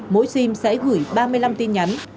mỗi sim sẽ gửi ba mươi năm tin nhắn